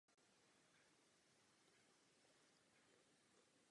Byl to někdo ze sousední vesnice.